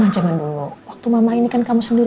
janganlah berdiri ter dark